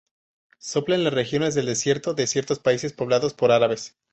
Sopla en las regiones del desierto de ciertos países poblados por árabes.